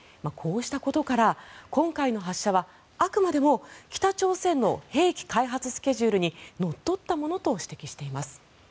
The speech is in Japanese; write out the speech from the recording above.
こうしたことから今回の発射はあくまでも北朝鮮の兵器開発スケジュールにのっとったものと指摘してます。